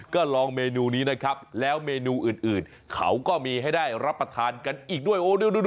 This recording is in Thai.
ก็ลองเมนูนี้นะครับแล้วเมนูอื่นเขาก็มีให้ได้รับประทานกันอีกด้วย